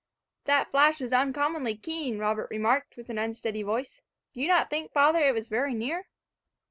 "That flash was uncommonly keen," Robert remarked, with an unsteady voice. "Do you not think, father, it was very near?"